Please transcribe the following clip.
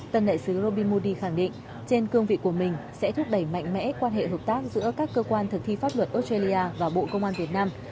tân đại sứ robin modi khẳng định trên cương vị của mình sẽ thúc đẩy mạnh mẽ quan hệ hợp tác giữa các cơ quan thực thi pháp luật australia và bộ công an việt nam